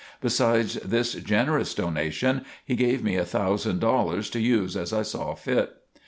Besides this generous donation, he gave me a thousand dollars to use as I saw fit.